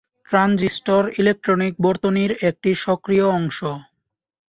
Transistor electronic বর্তনীর একটি সক্রিয় অংশ।